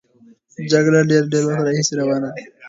جګړه له ډېر وخت راهیسې روانه ده.